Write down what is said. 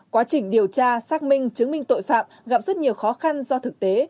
quá trình điều tra xác minh chứng minh tội phạm gặp rất nhiều khó khăn do thực tế